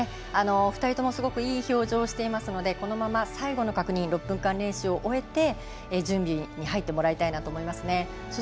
２人とも、すごくいい表情をしていますのでこのまま最後の確認、６分間練習を終えて準備に入ってもらいたいなと思いますね。